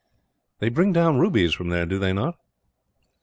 "They bring down rubies from there, do they not?"